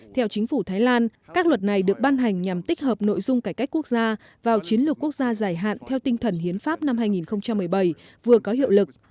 theo chính phủ thái lan các luật này được ban hành nhằm tích hợp nội dung cải cách quốc gia vào chiến lược quốc gia dài hạn theo tinh thần hiến pháp năm hai nghìn một mươi bảy vừa có hiệu lực